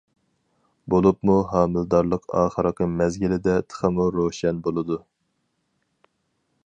بولۇپمۇ ھامىلىدارلىق ئاخىرقى مەزگىلىدە تېخىمۇ روشەن بولىدۇ.